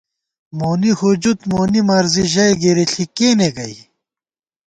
مونی ہُجُت مونی مرضی ژَئی گِرِݪی کېنےگئ